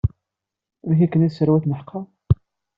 Amek akken i sserwaten ḥeqqa?